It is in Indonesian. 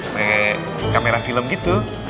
kayak kamera film gitu